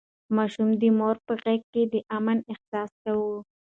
ماشوم د مور په غېږ کې د امن احساس کاوه.